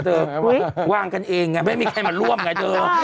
หว้างกันเองไม่มีใครมาร่วมไง